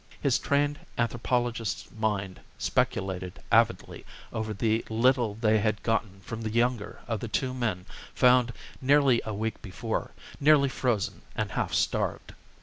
His trained anthropologist's mind speculated avidly over the little they had gotten from the younger of the two men found nearly a week before, nearly frozen and half starved.